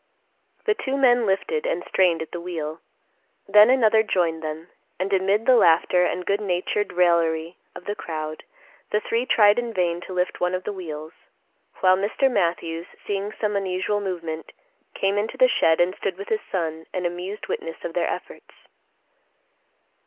The two men lifted and strained at the wheel. Then another joined them, and, amid the laughter and good natured raillery of the crowd, the three tried in vain to lift one of the wheels; while Mr. Matthews, seeing some unusual movement, came into the shed and stood with his son, an amused witness of their efforts.